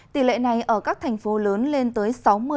tỷ lệ này ở các thành phố lớn lên tới sáu mươi bảy mươi